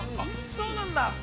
◆そうなんだ。